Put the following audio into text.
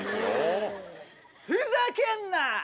ふざけんな！